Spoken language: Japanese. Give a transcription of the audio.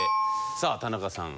さあ田中さん。